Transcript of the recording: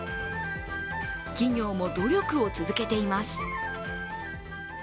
企業も努力を続けています。